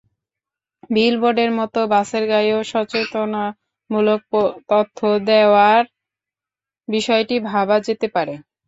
বিলবোর্ডের মতো বাসের গায়েও সচেতনতামূলক তথ্য দেওয়ার বিষয়টি ভাবা যেতে পারে।